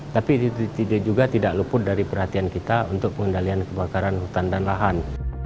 tapi itu juga tidak luput dari perhatian kita untuk pengendalian kebakaran hutan dan lahan